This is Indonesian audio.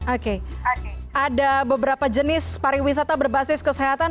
oke ada beberapa jenis pariwisata berbasis kesehatan